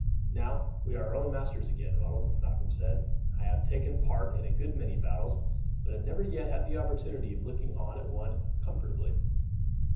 "Now we are our own masters again, Ronald," Malcolm said. "I have taken part in a good many battles, but have never yet had the opportunity of looking on at one comfortably.